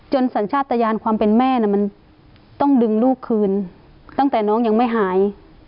สัญชาติตะยานความเป็นแม่มันต้องดึงลูกคืนตั้งแต่น้องยังไม่หาย